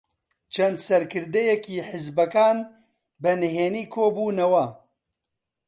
چەند سەرکردەیەکی حیزبەکان بەنهێنی کۆبوونەوە.